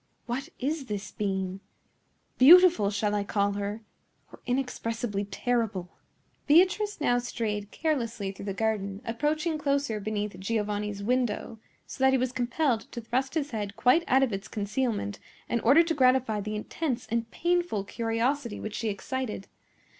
"What is this being? Beautiful shall I call her, or inexpressibly terrible?" Beatrice now strayed carelessly through the garden, approaching closer beneath Giovanni's window, so that he was compelled to thrust his head quite out of its concealment in order to gratify the intense and painful curiosity which she excited.